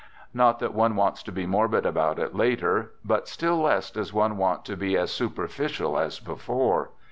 Not that one wants to be morbid about it later; but still less does one want to be as superficial as before.